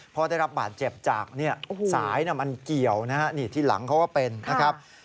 เพราะได้รับบาดเจ็บจากสายมันเกี่ยวนะฮะนี่ที่หลังเขาก็เป็นนะครับ